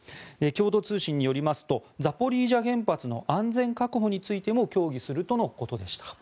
共同通信によりますとザポリージャ原発の安全確保についても協議するとのことでした。